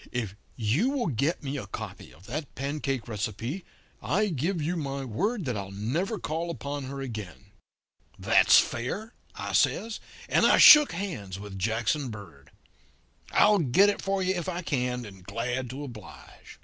If you will get me a copy of that pancake recipe, I give you my word that I'll never call upon her again.' "'That's fair,' I says, and I shook hands with Jackson Bird. 'I'll get it for you if I can, and glad to oblige.'